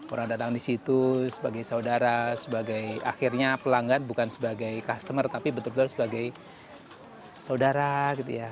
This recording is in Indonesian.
orang datang di situ sebagai saudara sebagai akhirnya pelanggan bukan sebagai customer tapi betul betul sebagai saudara gitu ya